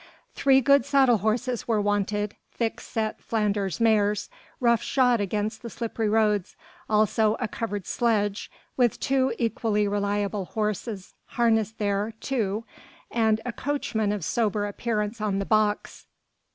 Three good saddle horses were wanted thick set Flanders mares, rough shod against the slippery roads; also a covered sledge, with two equally reliable horses harnessed there to and a coachman of sober appearance on the box.